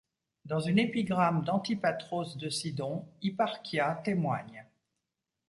Dans une épigramme d'Antipatros de Sidon, Hipparchia témoigne.